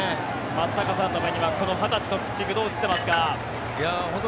松坂さんの目にはこの２０歳のピッチングどう映っていますか。